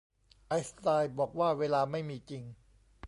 ไอน์สไตน์บอกว่าเวลาไม่มีจริง